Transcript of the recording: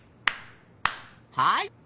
はい。